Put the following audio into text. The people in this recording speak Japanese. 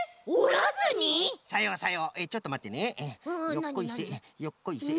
よっこいせよっこいせ。